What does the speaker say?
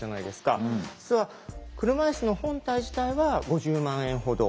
実は車いすの本体自体は５０万円ほど。